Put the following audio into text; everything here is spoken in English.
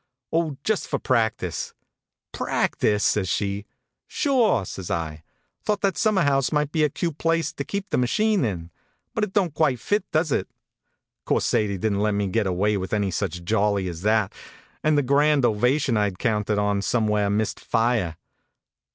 " Oh, just for practice." " Practice! " says she. * Sure ! says I. Thought that summer house might be a cute place to keep the machine in; but it don t quite fit, does it? " Course, Sadie didn t let me get away with any such jolly as that, and the grand ovation I d counted on somehow missed fire.